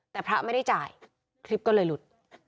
แต่พระไม่ได้จ่ายคลิปก็เลยหลุด